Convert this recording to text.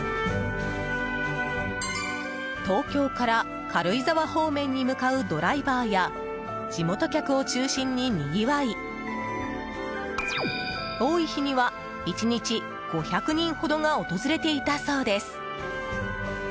東京から軽井沢方面に向かうドライバーや地元客を中心ににぎわい多い日には１日５００人ほどが訪れていたそうです。